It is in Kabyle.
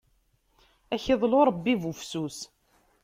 Ad ak-iḍlu Ṛebbi bufsus!